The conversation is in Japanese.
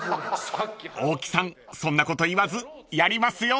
［大木さんそんなこと言わずやりますよ］